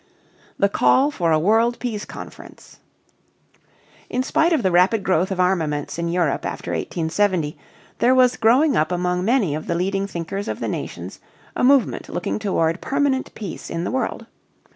THE CALL FOR A WORLD PEACE CONFERENCE. In spite of the rapid growth of armaments in Europe after 1870 there was growing up among many of the leading thinkers of the nations a movement looking toward permanent peace in the world.